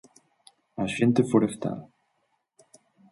Axente forestal.